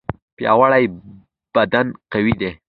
پیاوړی بدن قوي دی.